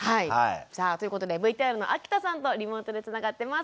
さあということでＶＴＲの秋田さんとリモートでつながってます。